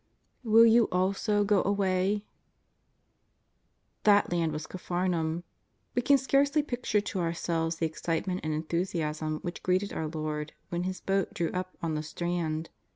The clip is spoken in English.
WILL YOU ALSO GO AWAY 5 That land was Capharnaum. AVe can scarcely picture to ourselves the excitement and enthusiasm which greeted our Lord when His boat drew up on the strand.